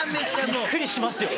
びっくりしますよ。